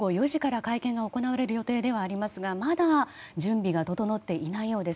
このあと午後４時から会見が行われる予定ではありますがまだ準備が整っていないようです。